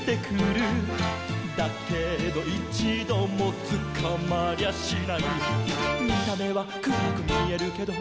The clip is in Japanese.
「だけどいちどもつかまりゃしない」「見た目はくらくみえるけど」